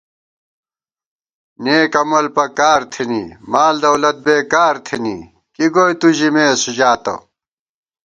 نېک عمل پَکار تھنی مال دولت بېکار تھنی، کی گوئی تُو ژمېس ژاتہ